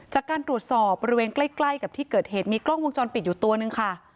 จากการตรวจสอบบริเวณใกล้กับที่เกิดเหตุมีกล้องวงจรปิดอยู่ตัวนึงค่ะ